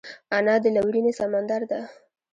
انا د لورینې سمندر ده